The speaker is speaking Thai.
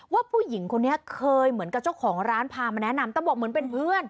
ว่าผู้หญิงคนนี้เคยเหมือนกับเจ้าของร้านพามาแนะนำแต่บอกเหมือนเป็นเพื่อน